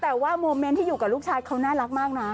แต่ว่าโมเมนต์ที่อยู่กับลูกชายเขาน่ารักมากนะ